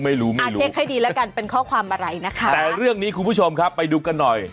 อ่าเช็คให้ดีแล้วกันเป็นข้อความอะไรนะคะแต่เรื่องนี้คุณผู้ชมครับไปดูกันหน่อย